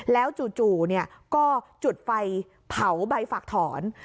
แล้วจู่ก็จุดไฟเผาใบฝักถอน